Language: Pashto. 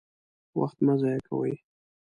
وخت مه ضايع کوئ!